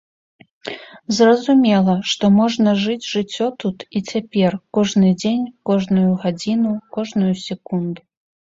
Зразумела, што можна жыць жыццё тут і цяпер, кожны дзень, кожную гадзіну, кожную секунду.